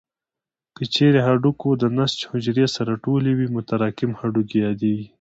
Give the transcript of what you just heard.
که چیرې هډوکو د نسج حجرې سره ټولې وي متراکم هډوکي یادېږي.